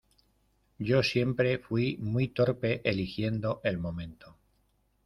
yo siempre fui muy torpe eligiendo el momento.